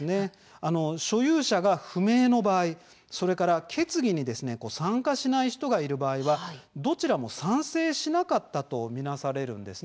所有者が不明の場合決議に参加しない人がいる場合どちらも賛成しなかったと見なされるんです。